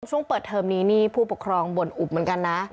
ช่วงเปิดเทอมนี้นี่ผู้ปกครองบ่นอุบเหมือนกันนะ